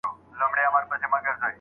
که استاد د اتلانو یادونه وکړي.